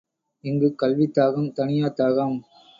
இங்குக் கல்வித் தாகம் தணியாத் தாகம்.